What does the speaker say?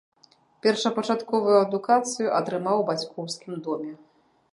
Першапачатковую адукацыю атрымаў у бацькоўскім доме.